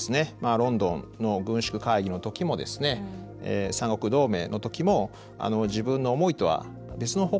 ロンドンの軍縮会議のときも三国同盟のときも自分の思いとは別の方向にですね